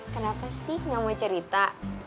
kenapa sih nggak mau cerita